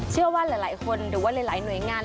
เชื่อว่าหลายคนหรือว่าหลายหน่วยงาน